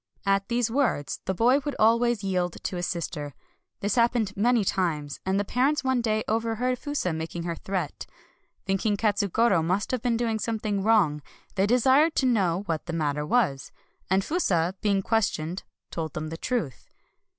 At these words the boy would always yield to his sister. This happened many times; and the parents one day overheard Fusa making her threat. Thinking Katsugoro must have been doing something wrong, they desired to know what the matter was, and Fusa, being ques tioned, told them the truth.